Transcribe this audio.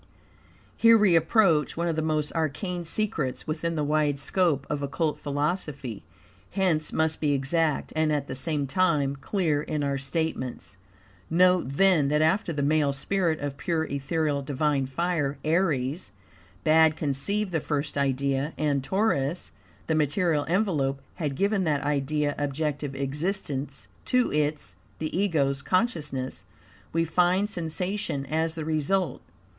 Here we approach one of the most arcane secrets within the wide scope of Occult philosophy, hence must be exact, and at the same time clear, in our statements. Note, then, that after the male spirit of pure, ethereal, divine fire (Aries) bad conceived the first idea, and Taurus, the material envelope, had given that idea objective existence to its (the Ego's) consciousness, we find SENSATION AS THE RESULT.